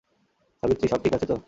সাবিত্রী, সব ঠিক আছে তো?